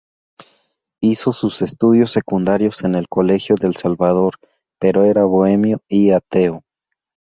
Hizo sus estudios secundarios en el Colegio del Salvador, pero era bohemio y ateo.